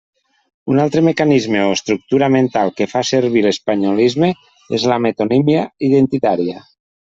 Un altre mecanisme o estructura mental que fa servir l'espanyolisme és la metonímia identitària.